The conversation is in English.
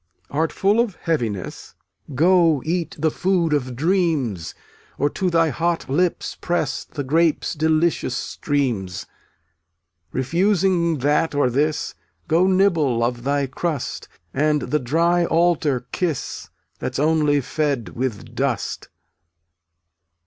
3 1 1 Art full of heaviness? Go, eat the food of dreams, Or to thy hot lips press The grape's delicious streams. Refusing that or this, Go nibble of thy crust, And the dry altar kiss That's only fed with dust.